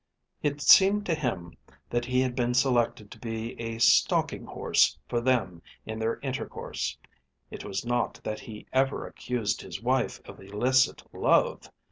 It seemed to him that he had been selected to be a stalking horse for them in their intercourse. It was not that he ever accused his wife of illicit love.